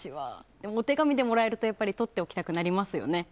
でも、お手紙でもらえるととっておきたくなりますよね。